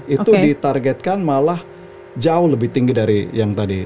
itu ditargetkan malah jauh lebih tinggi dari yang tadi